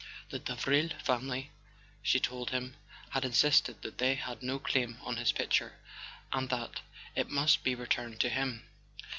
The Davril fam¬ ily, she told him, had insisted that they had no claim on his picture, and that it must be returned to him.